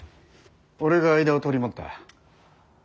俺が間を取り持った。